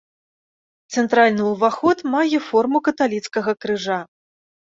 Цэнтральны ўваход мае форму каталіцкага крыжа.